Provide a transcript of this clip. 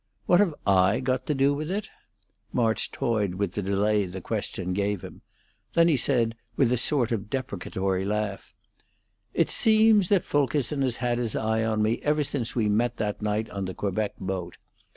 "What have I got to do with it?" March toyed with the delay the question gave him; then he said, with a sort of deprecatory laugh: "It seems that Fulkerson has had his eye on me ever since we met that night on the Quebec boat.